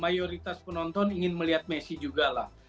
mayoritas penonton ingin melihat messi juga lah